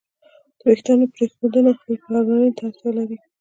د وېښتیانو پرېښودنه پاملرنې ته اړتیا لري.